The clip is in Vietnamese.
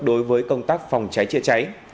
đối với công tác phòng cháy chữa cháy